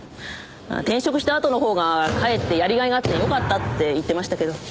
転職したあとのほうがかえってやりがいがあってよかったって言ってましたけど。